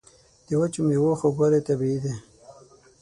د وچو میوو خوږوالی طبیعي دی.